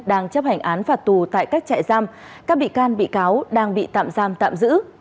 đang chấp hành án phạt tù tại các trại giam các bị can bị cáo đang bị tạm giam tạm giữ